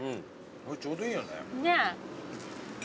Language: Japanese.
ちょうどいいよね。